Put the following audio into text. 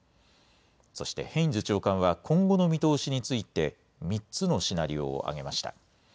そして、ヘインズ長官は今後の見通しについて、３つのシナリオを挙げました。